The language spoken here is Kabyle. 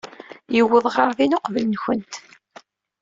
Yuweḍ ɣer din uqbel-nwent.